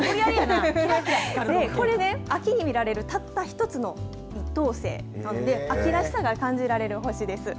これ、秋に見られるたった一つの１等星なので秋らしさが感じられる星です。